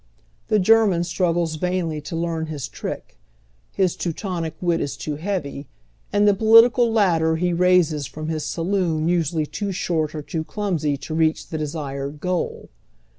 The German struggles vainly to learn his trick ; his Ten tonic wit is too heavy, and the political ladder he raises from his saloon usually too short or too clumsy to reach the desired goal.